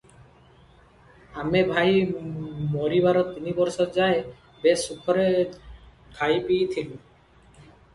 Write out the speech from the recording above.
ଆମେ ଭାଇ ମରିବାର ତିନିବର୍ଷ ଯାଏ ବେଶ୍ ସୁଖରେ ଖାଇପିଇ ଥିଲୁଁ ।